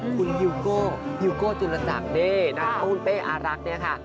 คุณยูโก้ยูโก้จุระจักรด้าและคุณเป๊อรักเนี่ยค่ะ